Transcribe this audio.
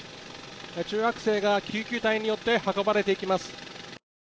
中学生が救急隊員によって運ばれていきます。